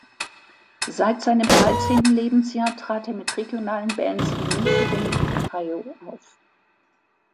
Seit seinem dreizehnten Lebensjahr trat er mit regionalen Bands in Michigan und Ohio auf.